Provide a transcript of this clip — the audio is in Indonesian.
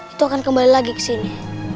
itu akan kembali lagi ke sini